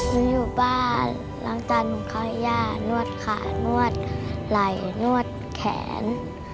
หนึ่งอยู่บ้านหลางจานผมข้างให้ย่านวดขานวดไหล่นวดแขน